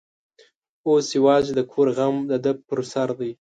اوس یوازې د کور غم د ده پر سر دی.